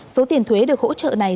số tiền thuế được hỗ trợ này